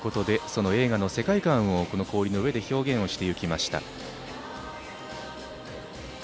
その映画の世界観を氷の上で表現していきました。